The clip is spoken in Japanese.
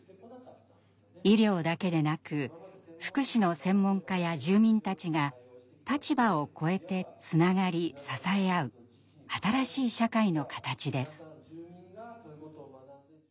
医療だけでなく福祉の専門家や住民たちが立場をこえてつながり支え合う新しい社会の形です。